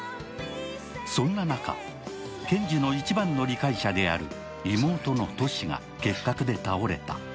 そんな中、賢治の一番の理解者である妹のトシが結核で倒れた。